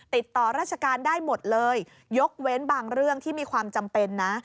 ติดต่อราชการได้หมดเลยยกเว้นบางเรื่องที่มีความจำเป็นนะ